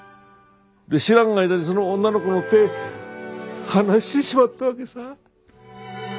知らん間にその女の子の手離してしまったわけさ。